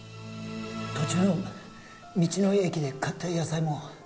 途中の道の駅で買った野菜も